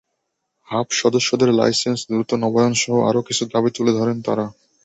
Hub সদস্যদের licence দ্রুত নবায়নসহ আরও কিছু দাবি তুলে ধরেন তাঁরা।